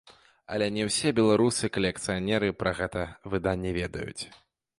Але не ўсе беларусы-калекцыянеры пра гэта выданне ведаюць.